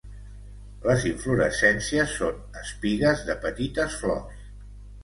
Les inflorescències són espigues de petites flors.